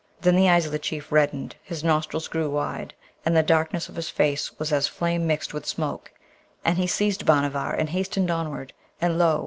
Then the eyes of the Chief reddened, his nostrils grew wide, and the darkness of his face was as flame mixed with smoke, and he seized Bhanavar and hastened onward, and lo!